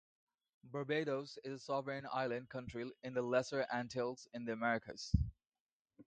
Barbados is a sovereign island country in the Lesser Antilles, in the Americas.